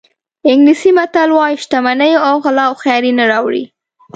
انګلیسي متل وایي شتمني او غلا هوښیاري نه راوړي.